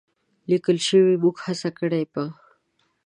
لیکل شوې، موږ هڅه کړې په